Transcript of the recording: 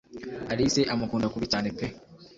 alice amukunda kubi cyane pe